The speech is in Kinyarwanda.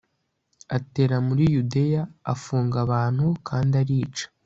atera muri yudeya, afunga abantu kandi arica